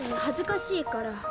恥ずかしいから。